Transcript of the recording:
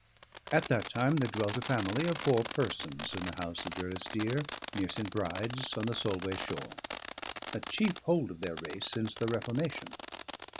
At that time there dwelt a family of four persons in the house of Durrisdeer, near St. Bride's, on the Solway shore; a chief hold of their race since the Reformation.